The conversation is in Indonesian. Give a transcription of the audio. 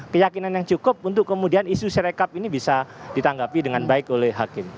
keyakinan yang cukup untuk kemudian isu serekap ini bisa ditanggapi dengan baik oleh hakim